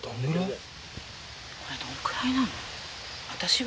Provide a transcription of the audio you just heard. これ、どんくらいなの？